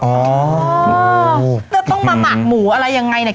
ต้องมาหมัดหมูอะไรยังไงเนี่ย